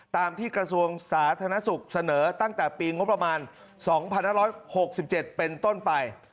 ตามที่กระทรวงสาธารณสุขเสนอตั้งแต่ปีงบประมาณ๒๕๖๗เป็นต้นไป